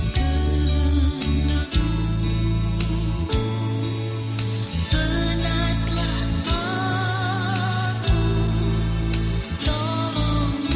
versi ini di bidang nama bapak dan ibu